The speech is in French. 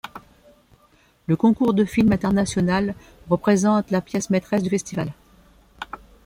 Le concours de film international représente la pièce maitresse du festival.